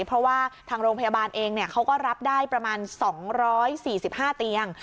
เพราะว่าทางโรงพยาบาลเองเขาก็รับได้ประมาณ๒๔๕เตียง